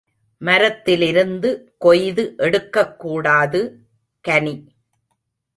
மரத்திலிருந்து கொய்து எடுக்கக்கூடாது, கனி.